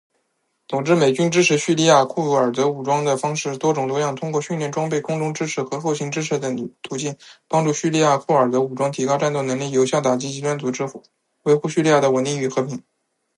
总之，美军支持叙利亚库尔德武装的方式多种多样，通过训练、装备、空中支持和后勤支持等途径，帮助叙利亚库尔德武装提高战斗能力，有效打击极端组织，维护叙利亚的稳定与和平。